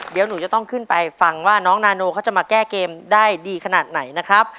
เดี๋ยวหนูจะต้องขึ้นไปฟังว่าน้องนาโนเขาจะมาแก้เกมได้ดีขนาดไหนนะครับ